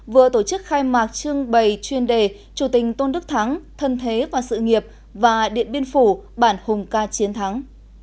vừa tổ chức khai mạc trưng bày chuyên đề chủ tình tôn đức thắng thân thế và sự nghiệp và điện biên phủ bản hùng ca chiến thắng